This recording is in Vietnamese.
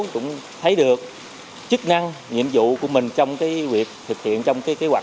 cũng thấy được chức năng nhiệm vụ của mình trong việc thực hiện trong kế hoạch